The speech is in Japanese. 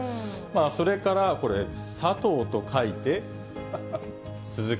それからこれ、佐藤と書いて、スズキ。